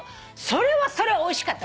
それはそれはおいしかった。